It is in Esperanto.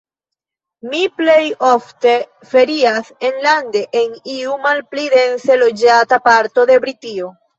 Mi plejofte ferias enlande, en iu malpli dense loĝata parto de Britio.